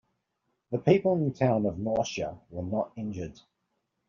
The people in the town of Norcia were not injured.